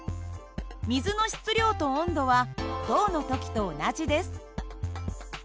水の質量と温度は銅の時と同じです。